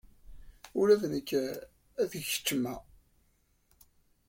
Ula d nekk ad k-jjmeɣ.